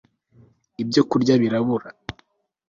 ibyo kurya birabura